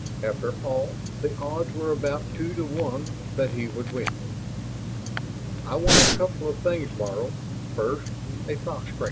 After all, the odds were about two to one that he would win. "I want a couple of things, Laro. First, a thought screen."